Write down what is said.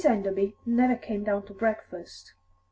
Enderby never came down to breakfast.